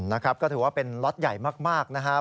นะครับก็ถือว่าเป็นล็อตใหญ่มากนะครับ